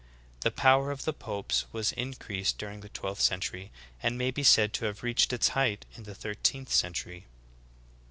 The power of the popes was increased during the twelfth century, and may be said to have reached its height in the thirteenth century.